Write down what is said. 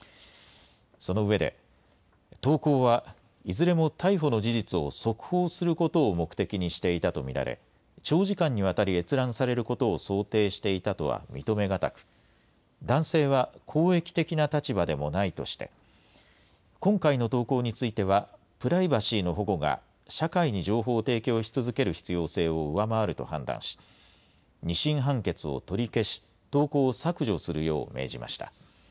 その上で、投稿はいずれも逮捕の事実を速報することを目的にしていたと見られ、長時間にわたり閲覧されることを想定していたとは認めがたく、男性は公益的な立場でもないとして、今回の投稿については、プライバシーの保護が社会に情報を提供し続ける必要性を上回ると判断し、２審判決を取り消し、投稿を削除するよう命じました。